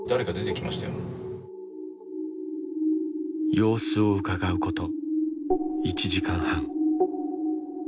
様子をうかがうこと１時間半。